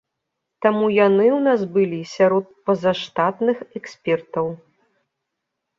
Таму яны ў нас былі сярод пазаштатных экспертаў.